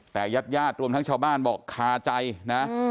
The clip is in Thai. แต่ญาติญาติรวมทั้งชาวบ้านบอกคาใจนะ